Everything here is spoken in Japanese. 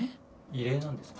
異例なんですか？